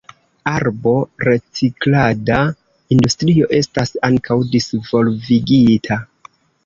Arbo-reciklada industrio estas ankaŭ disvolvigita.